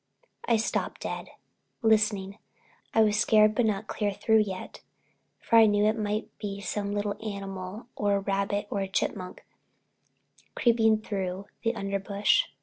I stopped dead, listening. I was scared but not clear through yet, for I knew it might be some little animal, a rabbit or a chipmunk, creeping through the underbrush.